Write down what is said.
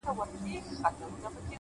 زما سجده دي ستا د هيلو د جنت مخته وي ـ